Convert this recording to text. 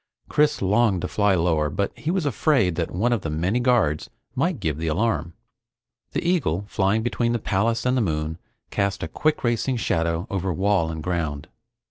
Chris longed to fly lower but he was afraid that one of the many guards might give the alarm. The eagle flying between the palace and the moon cast a quick racing shadow over wall and ground.